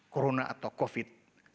corona atau covid sembilan belas